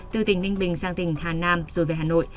từ tỉnh ninh bình sang tỉnh hà nam rồi về hà nội